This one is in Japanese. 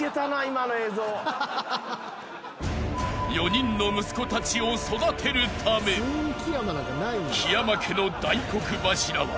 ［４人の息子たちを育てるため木山家の大黒柱は］